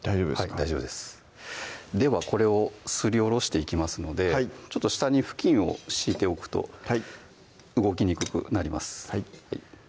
大丈夫ですではこれをすりおろしていきますので下に布巾を敷いておくと動きにくくなります